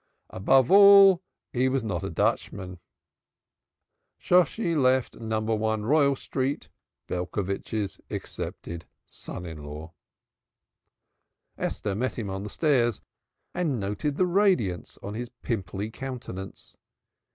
Above all, he was not a Dutchman. Shosshi left No. 1 Royal Street, Belcovitch's accepted son in law. Esther met him on the stairs and noted the radiance on his pimply countenance.